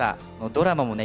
ドラマもね